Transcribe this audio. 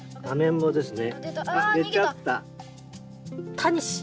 タニシ？